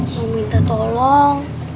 mau minta tolong